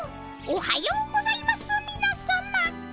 おはようございますみなさま。